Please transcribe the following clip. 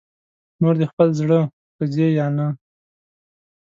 نور دې خپل زړه که ځې یا نه